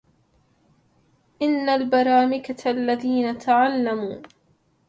إن البرامكة الذين تعلموا